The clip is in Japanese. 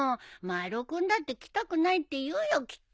丸尾君だって来たくないって言うよきっと。